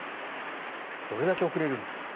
どれだけ遅れるんだ。